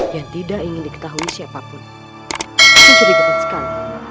yang tidak ingin diketahui siapapun